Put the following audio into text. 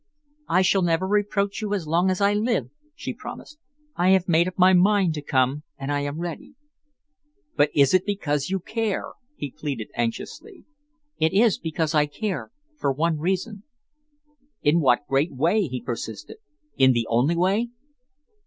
"I shall never reproach you as long as I live," she promised. "I have made up my mind to come, and I am ready." "But it is because you care?" he pleaded anxiously. "It is because I care, for one reason." "In the great way?" he persisted. "In the only way?"